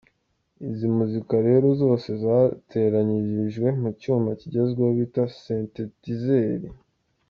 Izi muzika rero zose zateranyirijwe mu cyuma kigezweho bita “sentetizeri”.